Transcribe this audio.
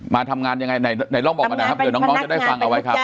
มาทำงานยังไงไหนไหนลองบอกมานะครับเดี๋ยวน้องน้องจะได้ฟังเอาไว้ครับ